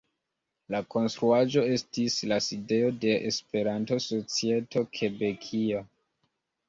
La konstruaĵo estis la sidejo de Esperanto-Societo Kebekia.